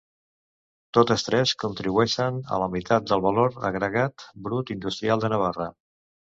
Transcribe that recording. Totes tres contribueixen a la meitat del valor agregat brut industrial de Navarra.